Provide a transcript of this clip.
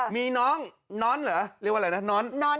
มีน้องน้อนเหรอเรียกว่าอะไรนะน้อน